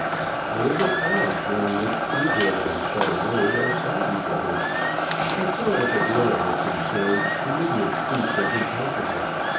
There was a pause during which neither of them said a word, or saw each other. As far as Adela was concerned, immediate speech was impossible.